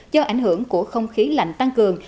do ảnh hưởng của không khí lạnh tăng cường